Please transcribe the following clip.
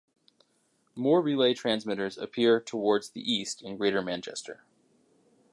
More Relay Transmitters appear towards the east in Greater Manchester.